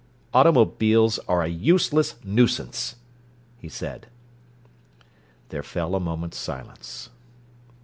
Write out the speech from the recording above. "Automobiles are a useless nuisance," he said. There fell a moment's silence.